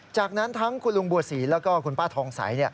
จากนั้นทั้งคุณลุงบัวศรีแล้วก็คุณป้าทองใส